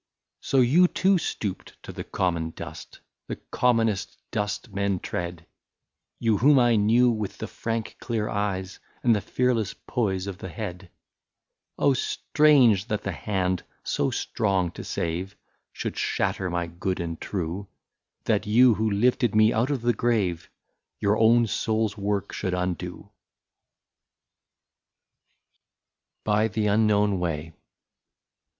" So you too stooped to the common dust, — The commonest dust men tread ; You whom I knew with the frank clear eyes, And the fearless poise of the head !" Oh ! strange, that the hand, so strong to save. Should shatter my good and true ; That you who lifted me out of the grave, Your own soul's work should undo/' 66 BY THE UNKNOWN WAY.